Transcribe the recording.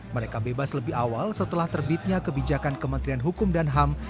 mereka bebas lebih awal setelah terbitnya kebijakan kementerian hukum dan ham